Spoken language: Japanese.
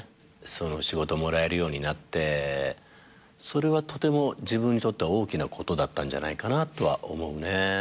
仕事もらえるようになってそれはとても自分にとっては大きなことだったんじゃないかなとは思うね。